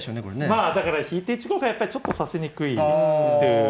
まあだから引いて１五がやっぱりちょっと指しにくいという。